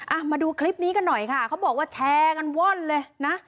มาดูคลิปนี้กันหน่อยค่ะเขาบอกว่าแชร์กันว่อนเลยนะ